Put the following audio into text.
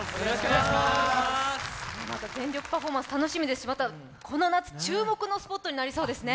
全力パフォーマンス楽しみですし、またこの夏、注目のスポットになりそうですね。